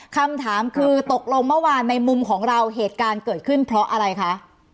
คำถามคือตกลงเมื่อวานในมุมของเราเหตุการณ์เกิดขึ้นเพราะอะไรคะ